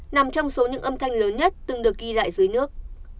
nằm trong số những âm thanh lớn nhất từng được ghi lại dưới nước